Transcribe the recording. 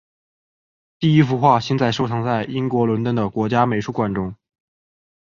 第一幅画现在收藏在英国伦敦的国家美术馆中。